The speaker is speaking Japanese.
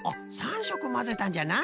３しょくまぜたんじゃな。